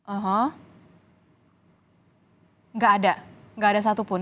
aha enggak ada enggak ada satupun